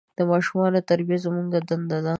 د ماشومان تربیه زموږ دنده ده.